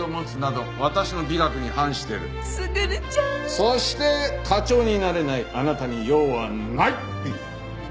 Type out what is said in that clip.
そして課長になれないあなたに用はない！